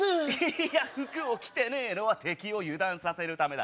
いや服を着てねえのは敵を油断させるためだ。